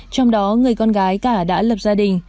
trong đó người con gái cả đã lập gia đình